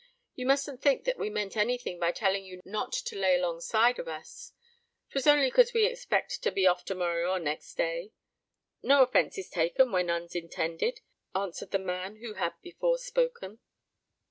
You mustn't think that we meant any thing by telling you not to lay alongside of us: 'twas only 'cause we expect to be off to morrow or next day." "No offence is taken where none's intended," answered the man who had before spoken.